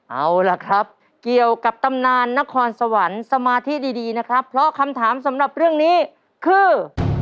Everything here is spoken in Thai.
เอาล่ะครับเกี่ยวกับตำนานนครสวรรค์สมาธิดีนะครับเพราะคำถามสำหรับเรื่องนี้คือ